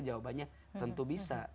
jawabannya tentu bisa